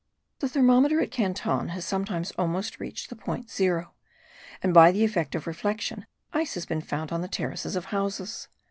The thermometer at Canton has sometimes almost reached the point zero; and by the effect of reflection, ice has been found on the terraces of houses.